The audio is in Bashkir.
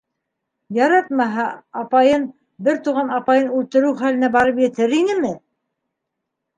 Яратмаһа, апайын, бер туған апайын үлтереү хәленә барып етер инеме?!.